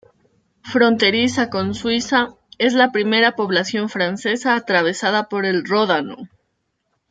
Fronteriza con Suiza, es la primera población francesa atravesada por el Ródano.